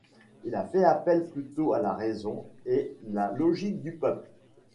Il a fait appel plutôt à la raison et la logique du peuple.